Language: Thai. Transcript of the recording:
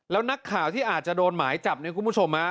แล้วนักข่าวที่อาจจะโดนหมายจับเนี่ยคุณผู้ชม